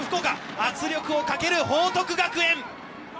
圧力をかける報徳学園。